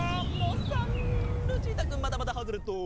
ルチータくんまたまたハズレット！